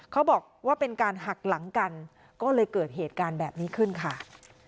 เขาบอกว่าเป็นการหักหลังกันก็เลยเกิดเหตุการณ์แบบนี้ขึ้นค่ะ